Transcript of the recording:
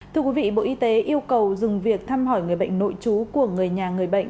thưa quý vị bộ y tế yêu cầu dừng việc thăm hỏi người bệnh nội trú của người nhà người bệnh